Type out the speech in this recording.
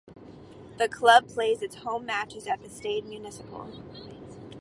The club plays its home matches at the Stade Municipal.